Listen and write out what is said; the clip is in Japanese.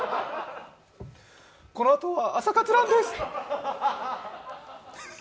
このあとは「朝活ＲＵＮ」です。